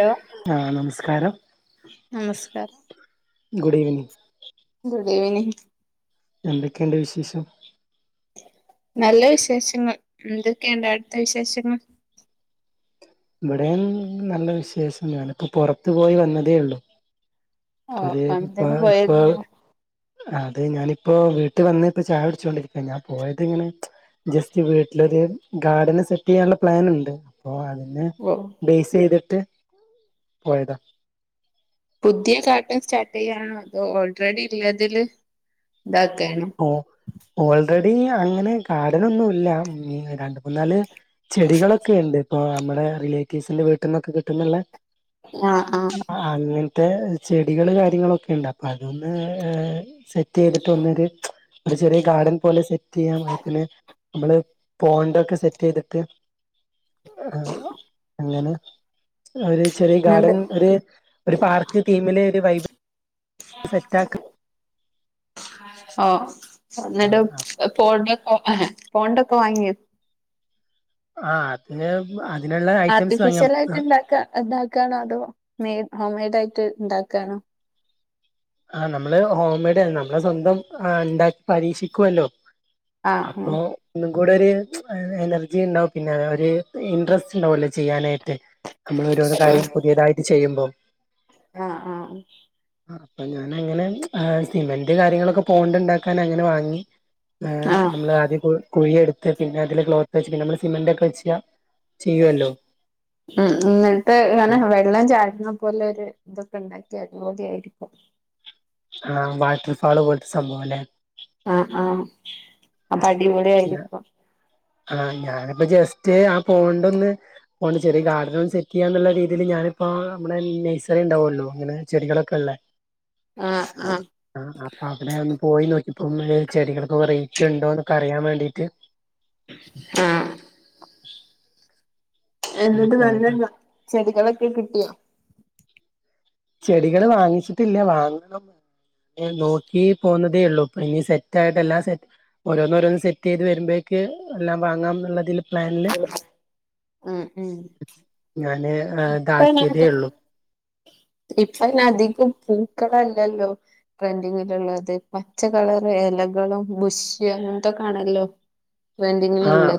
Hello ആഹ് നമസ്കാരം നമസ്കാരം ഗുഡ് ഈവനിങ് ഗുഡ്‌ ഇവനിംങ് എന്തൊക്കെയുണ്ട് വിശേഷം നല്ല വിശേഷങ്ങൾ എന്തൊക്കെയുണ്ട് അവിടുത്തെ വിശേഷങ്ങൾ ഇവിടെയും നല്ല വിശേഷാണ് ഞാന് ഇപ്പ പുറത്തു പോയി വന്നതേ ഉള്ളൂ ഓ ഒരു ഇപ പന്തന് ഇപ്പൊ പോയിരുന്നു അതെ ഞാനിപ്പോ വീട്ടു വന്ന് ഇപ്പോ ചായ കുടിച്ചോണ്ടിരിക്ക ഞാൻ പോയത് ഇങ്ങനെ ജസ്റ്റ് വീട്ടിലൊരു ഗാർഡന് സെറ്റ് ചെയ്യാനുള്ള പ്ലാൻ ഉണ്ട് അപ്പോ അതിന് ഒഹ് ബെയ്സ് ചെയ്തിട്ട് പോയതാ പുതിയ ഗാർഡൻ സ്റ്റാർട്ട് ചെയ്യണോ അതോ ഓൾറെഡി ഇല്ലതില് ഇതാക്കനോ ഓ ഓൾറെഡി അങ്ങനെ ഗാർഡനൊന്നും ഇല്ല രണ്ട് മൂന്നാല് ചെടികളൊക്കെ ഉണ്ട് ഇപ്പൊ നമ്മുടെ റിലേറ്റീവ്സിന്റെ വീട്ടിൽ നിന്നൊക്കെ കിട്ടുന്നുള്ള ആഹ് ആഹ് അങ്ങൻത്തെ ത്തെ ചെടികൾ കാര്യങ്ങളൊക്കെണ്ട് അപ്പ അതൊന്ന് സെറ്റ് ചെയ്തിട്ട് ഒന്നൊരു ഒരു ചെറിയ ഗാർഡൻ പോലെ സെറ്റ് ചെയ്യാം പാകത്തിന് നമ്മള് പോണ്ടൊക്കെ സെറ്റ് ചെയ്തിട്ട് അങ്ങനെ ഒരു ചെറിയ ഗാർഡൻ എന്നിട്ട് ഒരു പാർക്ക് തീമില് ഒരു വൈബ് സെറ്റ് ആക്ക ഓ എന്നിട്ട് പോ പോണ്ടൊക്കെ വാങ്ങിയോ ആഹ് പിന്നെ അതിനുള്ള ഐറ്റംസ് വാങ്ങിയ ആർട്ടിഫിഷ്യൽ ആയിട്ട് ഇണ്ടാക്ക ഇണ്ടാക്കുകയാണോ അതോ മെയഡ് ഹോം മെയ്ഡ് ആയിട്ട് ഇണ്ടാക്കുകയാണോ ആ നമ്മള് ഹോംമെയ്ഡ് ആ നമ്മളെ സ്വന്തം ആ ഉണ്ടാക്കി പരീക്ഷിക്കുവല്ലോ ആഹ് അപ്പോ ഒന്നും കൂടെ ഒരു എനർജി ഉണ്ടാവും പിന്നെ ഒരു ഇൻട്രസ്റ്റ് ഉണ്ടാവല്ലോ ചെയ്യാനായിട്ട് നമ്മൾ ഓരോന്ന് ആഹ് കാര്യം പുതിയതായിട്ട് ചെയ്യുമ്പോം ആഹ് ആഹ് ആ അപ്പൊ ഞാന അങ്ങനെ സിമെന്റ് കാര്യങ്ങളൊക്കെ പോണ്ട് ഉണ്ടാക്കാൻ അങ്ങനെ വാങ്ങി ഏ ആഹ് നമ്മള് ആദ്യം കുഴിയെടുത്ത് പിന്നെ അതില് ക്ലോത്ത് വച്ച് പിന്നെ നമ്മള് സിമെന്റ് ഒക്കെ വെച്ച് ചെയ്യുവല്ലോ ഉം എന്നിട്ട് നെ വെള്ളം ചാഴുന്ന പോലെ ഒരു ഇതൊക്കെ ഉണ്ടായി അത് മതിയായിരിക്കും ആഹ് വാട്ടർ ഫാള് പോലത്തെ സംഭവം അല്ലേ ആഹ് ആഹ് അപ്പോ അടിപോളി ആയിരിക്കും ആഹ് ഞാനിപ്പോ ജസ്റ്റ് ആ പോണ്ട് ഒന്ന് അതോണ്ട് ചെറിയ ഗാർഡനന്ന് സെറ്റ് ചെയ്യാന്നുള്ള രീതിൽ ഞാനിപ്പോ നമ്മുടെ നഴ്സറി ഉണ്ടാവമല്ലോ അനെ ചെടികളൊക്കെ ഉള്ളേ [unintelligible] ആഹ് ആഹ് ആഹ് അപ്പൊ അവിടെ ഒന്ന് പോയി നോക്കിപ്പോ ചെടികൾക്ക് റേറ്റ് ഉണ്ടോന്നൊക്കെറിയാൻ വേണ്ടിട്ട് ആഹ് അങ്ങനെ എന്നിട്ട് പോയതാണ് നല്ലല്ല ചെടികളൊക്കെ കിട്ടിയോ ചെടികള് വാങ്ങിച്ചിട്ടില്ല വാങ്ങണം നോക്കി പോന്നതേ ഉള്ളു ഇപ്പൊ ഇനി സെറ്റ് ആയിട്ട് എല്ലാം സെറ്റ് ഓരോന്നരോന്ന് സെറ്റ് ചെയ്ത് വരുമ്പോഴേക്ക് എല്ലാം വാങ്ങാം എന്നുള്ളതില് പ്ലാനില് ഉം ഉം ഞാന് ഇപ്പ ഇതാക്കിയതേ ഉള്ളൂ ഇപ്പോ അയ്ൻ അധികം പൂക്കളല്ലല്ലോ ട്രെൻഡിങ്ങിലുള്ളത് പച്ച കളർ ഇലകളും ബുഷ്യും അങ്ങനത്തെക്ക ആണല്ലോ [unintelligible] ആഹ്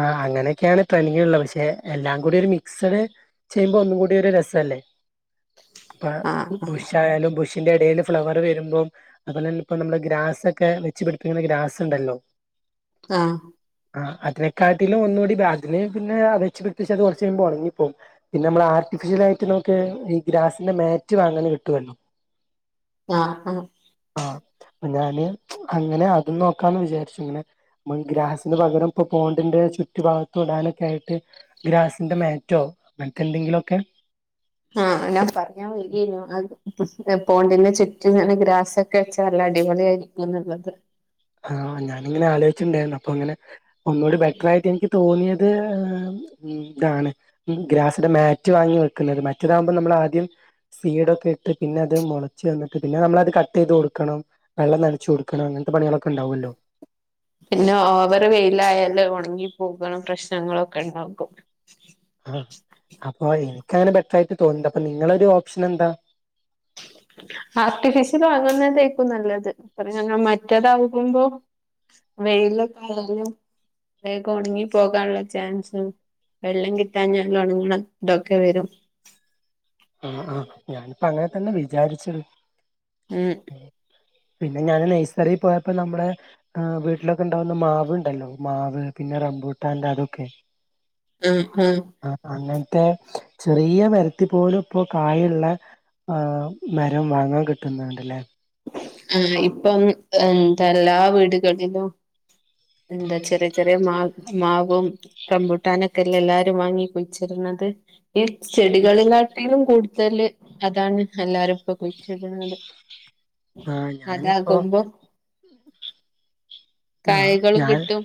ആഹ് അങ്ങനെയൊക്കെയാണ് ട്രെന്റീള്ളത് പക്ഷെ എല്ലാം കൂടി ഒരു മിക്സഡ് ചെയ്യുമ്പോ ഒന്നും കൂടി ഒരു രസല്ലേ അപ്പ ആഹ് ബുഷായാലും പുഷ ന്റെ ഇടയിൽ ഫ്ലവർ വരുമ്പോ അതുപോലെന്നെ ഇപ്പ നമ്മള് ഗ്രാസ് ഒക്കെ വെച്ച് പിടിപ്പിക്കുന്ന ഗ്രാസ് ഉണ്ടല്ലോ ആഹ് ആഹ് അതിനെക്കാട്ടിലും ഒന്നുകൂടി ബാെ പിന്നെ അതേച്ച് പിടിപ്പ വെച്ച് അത് കുറച്ച് കഴിയുമ്പോ ഉണങ്ങിപ്പോവും പിന്നെ നമ്മൾ ആർട്ടിഫിഷ്യൽ ആയിട്ട് നമുക്ക് ഈ ഗ്രാസിന്റെ മാറ്റ് വാങ്ങന് കിട്ടുവല്ലോ ആഹ് ആഹ് ആഹ് അപ്പോ ഞാന് അങ്ങനെ അതും നോക്കാന്ന് വിചാരിച്ചു ഇങ്ങനെ നമ്മൾ ഗ്രാസിന് പകരം ഇപ്പൊ പോണ്ടിന്റെ ചുറ്റി ഭാഗത്തടാനൊക്കെ ആയിട്ട് ഗ്രാസിൻ്റെ മാറ്റോ അങ്ങനത്തെന്തെങ്കിലുമൊക്കെ ആഹ് ഞാൻ പറയാൻ വര്യേരുന്നു അത് പോണ്ടിന് ചുറ്റും ഇങ്ങനെ ഗ്രാസൊക്കെ വെച്ചാ അടിപൊളിയ ആയിരി ന്നല്ലത ആഹ് ഞാനിങ്ങനെ ആലോചിണ്ടായിരുന്നു അപ്പൊ അങ്ങനെ ഒന്നൂടി ബെറ്റർ ആയിട്ട് എനിക്ക് തോന്നിയത് ഉം ഇതാണ് ഗ്രാസിന്റെ മാറ്റ് വാങ്ങി വെക്കുന്നത് മറ്റേതാകുമ്പോ നമ്മൾ ആദ്യം സീഡൊക്കെ ഇട്ട് പിന്നെ അത് മുളച്ച് വന്നിട്ട് പിന്നെ നമ്മളത് കട്ട് ചെയ്ത് കൊടുക്കണം വെള്ളം നനച്ചു കൊടുക്കണം അങ്ങനത്തെ പണികളൊക്കെ ഉണ്ടാവുമല്ലോ പിന്നെ ഓവറ് വെയിലായല് ഒണങ്ങി പോക്ണ പ്രശ്നങ്ങളൊക്കെണ്ടാകും. ആഹ്‌ അപ്പൊ ഇൻക്ക് അങ്ങനെ ബെറ്റർ ആയിട്ട് തോന്നുന്നില്ല അപ്പൊ നിങ്ങളൊരു ഓപ്ഷനെന്താ ആർട്ടിഫിഷ്യൽ വാങ്ങുന്നതേക്കും നല്ലത് കാരണം മറ്റേതകുമ്പോ വെയിലൊക്കാവുമ്പോ വേഗം ഉണങ്ങി പോകാനുള്ള ചാൻസും വെള്ളം കിട്ടാഞ്ഞാൽ ഒണങ്ണ ഇതൊക്കെ വെരും. ആഹ്‌ ആഹ്‌ ഞാനിപ്പങ്ങനെ തന്നെ വിചാരിച്ചത് ഉം പിന്നെ ഞാന് നൈസറിൽ പോയപ്പോ നമ്മളെ ആഹ്‌ വീട്ടിലൊക്കെണ്ടാവുന്ന മാവ്ണ്ടല്ലോ മാവ് പിന്നെ റബൂട്ടാന്റെ അതൊക്കെ ഉം ഉം ആഹ്‌ അങ്ങൻത്തെ ചെറിയ മരത്തി പോലും പ്പൊ കായുള്ള ആഹ് മരം വാങ്ങാൻ കിട്ട്ന്നണ്ട്ലേ ആഹ്‌ ഇപ്പം എ തെല്ലാ വീടുകളിലും എന്താ ചെറിയ ചെറിയ മാ മാവും റമ്പൂട്ടാനൊക്കല്ലെല്ലാരും വാങ്ങി കുയ്ച്ട്ണത്. ഈ ചെടികളേ കാട്ടിലും കൂടുതല് അതാണ് എല്ലാരും പ്പൊ കുയിച്ചിട്‌ണത്. ആഹ്‌ ഞാനിപ്പൊ ന്നാ [unintelligible] കിട്ടും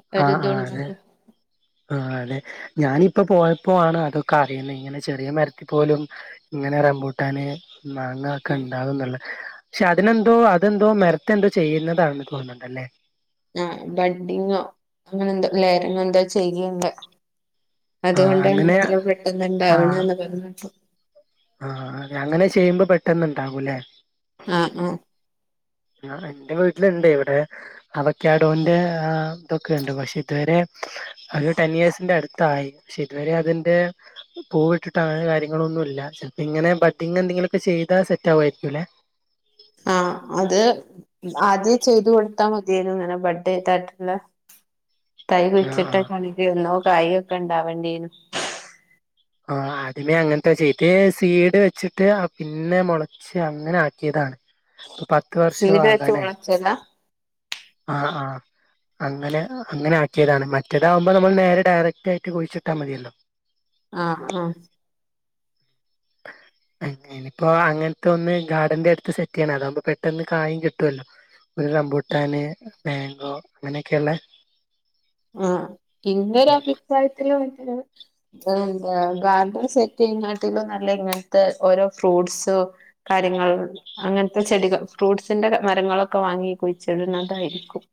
അപ്പൊരിതുണ്ടാക്കു ആഹ്‌ അതെ ഞാനിപ്പോ പോയപ്പോ ആണ് അതൊക്ക റീണെ. ഇങ്ങനെ ചെറിയ മരത്തി പോലും ഇങ്ങനെ റമ്പൂട്ടാന് മാങ്ങ ഒക്കെ ഉണ്ടാവുന്നുള്ള പക്ഷെ അതിനെന്തോ അതെന്തോ മരത്തെ എന്തോ ചെയ്യുന്നതാണെന്ന് തോന്നുന്നുണ്ടല്ലേ? ആഹ് ബഡ്ഡിങ്ങോ അങ്ങനെ ന്തോ ലെയറിങ്ങോ ന്തോ ചെയ്യ്ണ്ട്. ആഹ് അതുകൊണ്ടാണ് അങ്ങനെ ത്ര പെട്ടെന്നുണ്ടാവ്ണെന്ന് പറഞ്ഞപ്പം ആഹ്‌ അതെ അങ്ങനെ ചെയ്യുമ്പോ പെട്ടന്നുണ്ടാകുല്ലേ? ആഹ്‌ ആഹ് ആഹ്‌ എന്റെ വീട്ടിലിണ്ട് ഇവിടെ അവക്കാഡോന്റെ ആ തൊക്കെണ്ട് പക്ഷെ ഇതു വരെ അതൊരു ടെൻ യേഴ്സിന്റെ അടുത്തായി. പക്ഷെ ഇതുവരെ അതിന്റെ പൂവിട്ടിട്ടങ്ങനെ കാര്യങ്ങളൊന്നുല്ല. ചെൽപ്പിങ്ങനെ ബഡ്ഡിങ്ങെന്തെങ്കിലൊക്കെ ചെയ്താ സെറ്റാവു ആയിരിക്കുല്ലെ? ആഹ്‌ അത് ആദ്യെ ചെയ്തു കൊടുത്താ മതിയേനു ങ്ങനെ ബഡ്ഡെയ്തായിട്ടുള്ള തൈ ആ ആ കുയ്ച്ചിട്ട് ക്കാണെങ്കി എന്നോ കായൊക്കെ ണ്ടാവണ്ടീനു ആഹ്‌ ആദ്യമേ അങ്ങൻത്തെ ചെ ത് സീഡ് വെച്ചിട്ട് അ പിന്നെ മൊള ച്ചങ്ങനാക്കിയതാണ് പ്പൊ പ സീഡ് വെച്ച് മൊളച്ചതാ? ആഹ്‌ ആഹ്‌ അങ്ങനെ അങ്ങനെ ആക്കിയതാണ് മറ്റേതാകുമ്പോ നമ്മൾ നേരെ ഡയറക്റ്റായിട്ട് കുഴിച്ചിട്ടാ മതിയല്ലോ. ആഹ് ആഹ്‌ [inaudible] എനിപ്പോ അങ്ങൻത്തെ ഒന്ന് ഗാർഡന്റെടുത്ത് സെറ്റെ യ്യണം അതാകുമ്പോ പെട്ടെന്ന് കായും കിട്ടുഅല്ലോ ഒരു റംബൂട്ടാന്, മേങ്കോ അങ്ങനെക്കെള്ളെ ആഹ്‌ ഇന്റൊരഭിപ്രായത്തില് മറ്റെ എന്താ ഗാർഡൻ സെറ്റെ യ്ങ്ങാട്ടിലും നല്ല ങ്ങൻത്തെ ഓരോ ഫ്രൂട്സോ കാര്യങ്ങൾ അങ്ങൻത്തെ ചെടിക ഫ്രൂട്ട്സിന്റെ ക മരങ്ങളൊക്കെ വാങ്ങി കുയ്ച്ട്ണതായിരിക്കും.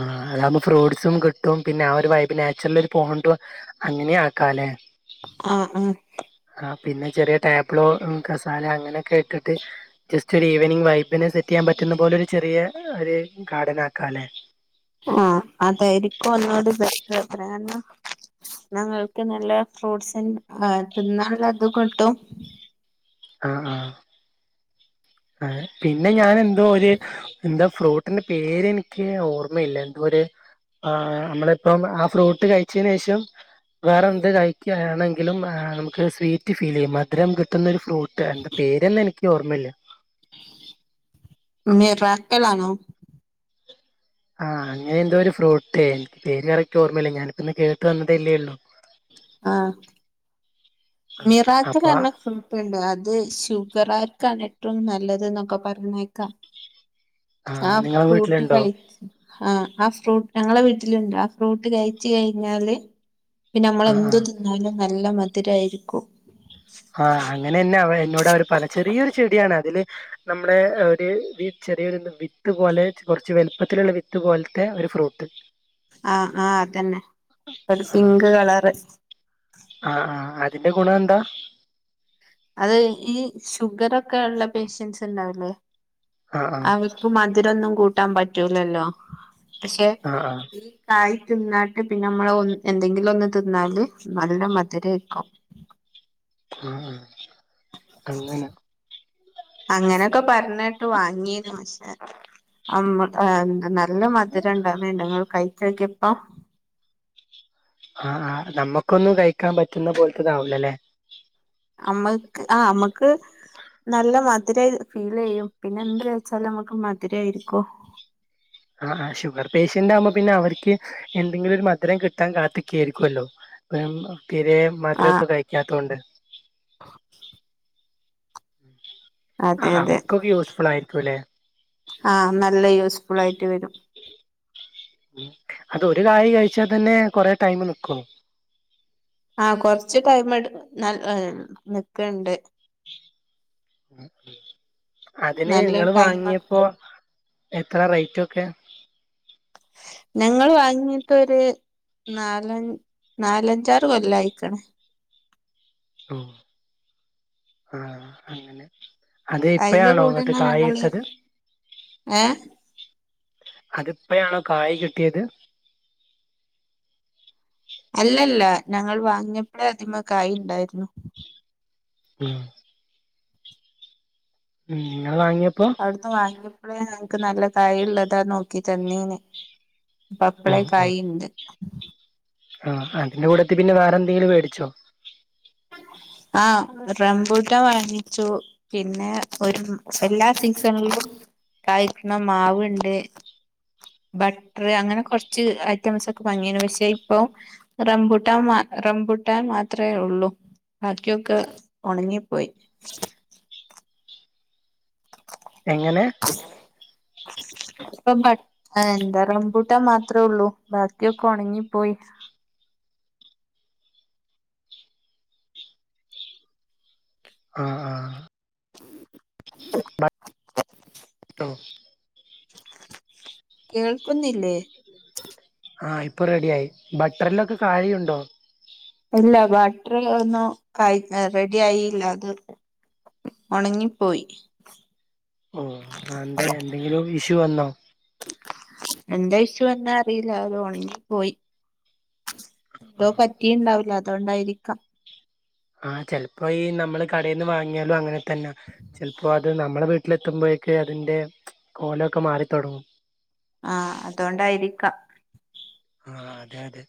ആഹ്‌ അതാവുമ്പോ ഫ്രൂട്ട്സും കിട്ടും പിന്നെ ആ‌ ഒരു വൈബ് നാച്ചുർലൊരു പോണ്ടും അങ്ങനി ആക്കാലെ ആഹ്‌ ആഹ് ആഹ്‌ പിന്നെ ചെറിയ ടേബ്ലു, കസാല അങ്ങനെയൊക്കെ ഇട്ടിട്ട് ജസ്റ്റൊരു ഈവനിംഗ് വൈബിന് സെറ്റ് ചെയ്യാൻ പറ്റുന്ന പോലൊരു ചെറിയ ഒരു ഗാർഡനാക്കാല്ലെ അ ആഹ് അതായിരിക്കു ഒന്നൂടി ബെറ്റ്റ് [unintelligible] ന്നാ ങ്ങൾക്ക് നല്ല ഫ്രൂട്സ്ൻ എ ത്‌ന്നാൻ ള്ളതും കിട്ടും ആഹ് ആഹ് ആഹ് പിന്നെ ഞാൻ എന്തോ ഒരു എന്താ ഫ്രൂട്ടിന്റെ പേര് എനിക്ക് ഓർമ്മയില്ല എന്തോ രു ആഹ് നമ്മളിപ്പം ആഹ് ഫ്രൂട്ട് കഴിച്ചതിന് ശേഷം വേറെ എന്ത് കഴിക്കാണെങ്കിലും നമുക്ക് സ്വീറ്റ് ഫീൽ ചെയ്യും മധുരം കി ട്ടുന്ന ഒരു ഫ്രൂട്ട് അന്റെ പേര്ന്ന നിക്ക് ഓർമ്മയില്ല മിറാക്കലാണോ ആഹ് അങ്ങനെ എന്തോ ഒരു ഫ്രൂട്ട് എനിക്ക് പേര് കറക്റ്റ് ഓർമ്മയില്ല ഞാനിപ്പ ഇന്ന് കേട്ടു വന്നതല്ലേള്ളു ആഹ് മിറാക്കിൾ അപ്പൊ ന്ന പറഞ്ഞ ഫ്യൂ ട്ട് ഉണ്ട് അത് ഷുഗറാർക്കാണ് ഏറ്റവും നല്ലത് എന്നൊക്കെ പറഞ്ഞേക്കാം ആ ആഹ് നിങ്ങളെ ഫ്രൂട്ടി വീട്ടിലുണ്ടോ കയിച്ച ആഹ് ആഹ് ഫ്രൂട്ട് ഞങ്ങളെ വീട്ടിലുണ്ട് ആ ഫ്രൂട്ട് കയ്ച്ച് കഴിഞ്ഞാല് പിന്നെ ആ ആ നമ്മളന്തു തിന്നാലും നല്ല മധുരയിരിക്കും ആഹ് അങ്ങനെന്നെ അവ എന്നോട് അവര് പല ചെറിയൊരു ചെടിയാണ് അതില് നമ്മളെ ഒരു ചെറിയൊരു വിത്ത് പോലെ കുറച്ച് വലുപ്പത്തിലുള്ള വിത്ത് പോലത്തെ ഒരു ഫ്രൂട്ട് ആഹ് ആഹ് അതന്നെ ഒരു പിങ്ക് കളറ് ആഹ് ആഹ് അതിന്റെ ഗുണം എന്താ അത് ഈ ഷുഗറോക്കെ ഉള്ള പേഷ്യൻസ് ഉണ്ടാവുല്ലേ ആ ആ അവർക്ക് മധുരൊന്നും കൂട്ടാൻ പറ്റൂലല്ലോ പക്ഷെ ആ ആ ആ തായി തിന്നാട്ട് പിന്നെ നമ്മള എന്തെങ്കിലും ഒന്ന് തിന്നാല് നല്ല മധുരം ആയിരിക്കും ആഹ് ആഹ് അങ്ങനെ അങ്ങനെയൊക്കെ പറഞ്ഞിട്ട് വാങ്ങീ പക്ഷേ എന്ത [unintelligible] നല്ല മധുരം ഉണ്ടാവ വേണ്ടങ്ങൾ കഴിചോക്കിയപ്പം ആഹ് ആഹ് നമ്മുക്കൊന്നും കഴിക്കാൻ പറ്റുന്ന പോലത്തെതാവ് ല്ലാ ല്ലെ അമ്മക്ക് ആ അമ്മക്ക് നല്ല മധുര ഫീൽ യ്യും പിന്നെ എന്ത കായിച്ചാലും നമ്മുക്ക് മധുര ആയിരിക്കും ആഹ് ആഹ് ഷുഗർ പേഷ്യന്റ് ആകുമ്പോ പിന്നെ അവർക്ക് എന്തെങ്കിലും ഒരു മധുരം കിട്ടാൻ കാത്ത്ക്കെവല്ലോ ആയിരിക്കുല്ലോ [unintelligible] തീരെ ആ മധുരോക്കെ കഴിക്കാത്തോണ്ട് അതെ അതെ അവർക്കെ യൂസ്ഫുൾ ആയിരിക്കും അല്ലേ ആഹ് നല്ല യൂസ്ഫുൾ ആയിട്ട് വരും ഉ അതൊ ഒരു കായ് കഴിച്ചാൽ തന്നെ കൊറെ ടൈം നിക്കു ആഹ് കൊറച്ച് ടൈം നല്ലെ നിക്ക്ണ്ട് അതിന് നല്ല നിങ്ങള് ടൈമ വാങ്ങിയപ്പോ എത്ര റേറ്റ് ഒക്കെ ഞങ്ങള് വാങ്ങിട്ടോരു നാലഞ് നാലഞ്ചാറ് കൊല്ലം ആയിക്ക്ണ് ഓ ആഹ് അങ്ങനെ അത് അയിന്റെ ഇപ്പഴാണോ ന്നിട്ട് കൂടെന്നെ കായ് ഞങ്ങള് ട്ടത് ഏഹ് അതിപ്പോയാണോ കായ് കിട്ടിയത് അല്ലല്ല ഞങ്ങൾ വാങ്ങിയപ്പോഴ അതിമ്മേ കായ് ണ്ടായിരുന്നു ഉം ഉം നിങ്ങൾ വാങ്ങിയപ്പോ അവിടുന്ന് വാങ്ങിയപ്പോഴേ ഞങ്ങൾക്ക് നല്ല കായിള്ളതാ നോക്കി തന്നീന് ഓ, പപ്പളക്കായ്ണ്ട് ആഹ് അതിന്റെ കൂടെത്തി പിന്നെ വേറെന്തെങ്കിലും വേടിച്ചോ? ആഹ് റംബൂട്ടാൻ വാങ്ങിച്ചു പിന്നെ ഒരു എല്ലാ സീസണിലും കായിക്കുന്ന മാവ് ഉണ്ട്. ബട്ട്റ് അങ്ങനെ കുറച്ച് ഐറ്റംസ് ഒക്കെ ഭംഗിയിനു പക്ഷേ ഇപ്പൊ റബുട്ട മാ റംബുട്ടാൻ മാത്രേ ഉള്ളൂ ബാക്കിയൊക്കെ ഒണങ്ങിപ്പോയി എങ്ങനെ? ഇപ്പം ബ എന്താ റംമ്പൂട്ടാൻ മാത്രേ ഉള്ളൂ ബാക്കിയൊക്കെ ഒണങ്ങിപ്പോയി. ആഹ് ആഹ് [unintelligible] കേൾക്കുന്നില്ലേ? ആഹ് ഇപ്പൊ റെഡിയായി ബട്ടറിലൊക്കെ കായ്യുണ്ടോ? ഇല്ല ബട്ടർ ഒന്നും ക റെഡി ആയില്ല അത് ഒണങ്ങിപ്പോയി ആഹ് എന്തെ എന്തെങ്കിലും ഇഷ്യൂ വന്നോ? എന്ത ഇഷ്യൂന്ന് അറിയില്ല അത് ഒണങ്ങിപോയി എന്തോ പറ്റിയുണ്ടാവുല്ല അതോണ്ടായിരിക്കാം ആഹ് ചിലപ്പോ ഈ നമ്മള് കടയിന്ന് വാങ്ങിയാലും അങ്ങനെ തന്ന ചിലപ്പോ അത് നമ്മളെ വീട്ടിലെത്തുമ്പോഴേക്ക് അതിന്റെ കോലൊക്കെ മാറിത്തൊടങ്ങും ആഹ് അതുകൊണ്ടായിരിക്കാം ആഹ് അതെ അതെ